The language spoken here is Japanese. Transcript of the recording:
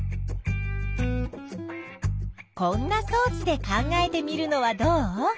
こんなそう置で考えてみるのはどう？